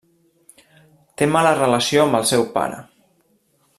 Té mala relació amb el seu pare.